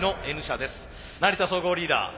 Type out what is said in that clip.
成田総合リーダー